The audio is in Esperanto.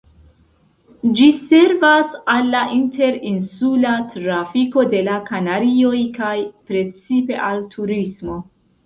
Ĝi servas al la inter-insula trafiko de la Kanarioj kaj precipe al turismo.